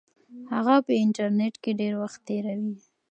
هغه په انټرنیټ کې ډېر وخت تیروي.